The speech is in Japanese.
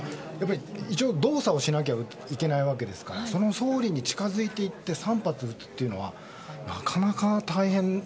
動作をしなきゃいけないわけですからその総理に近づいていって３発撃つというのはなかなか大変。